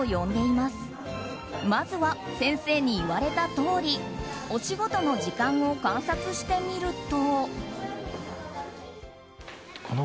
まずは先生に言われたとおりおしごとの時間を観察してみると。